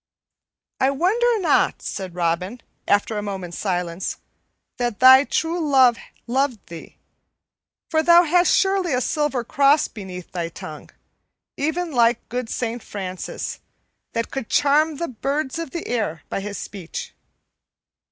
"I wonder not," said Robin, after a moment's silence, "that thy true love loved thee, for thou hast surely a silver cross beneath thy tongue, even like good Saint Francis, that could charm the birds of the air by his speech."